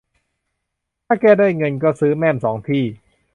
ถ้าแก้ด้วยเงินก็ซื้อแม่มสองที่